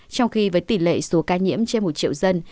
trong khi với tỷ lệ số ca nhiễm trên một triệu dân